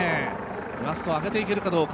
ラスト、上げていけるかどうか。